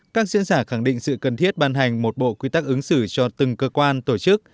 các diễn giả khẳng định sự cần thiết ban hành một bộ quy tắc ứng xử cho từng cơ quan tổ chức